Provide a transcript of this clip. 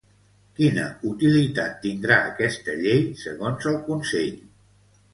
Quina utilitat tindrà aquesta llei segons el Consell?